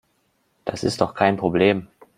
Das ist doch kein Problem.